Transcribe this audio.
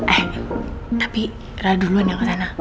eh tapi ra duluan yang ke sana